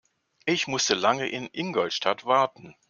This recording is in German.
Ich musste lange in Ingolstadt warten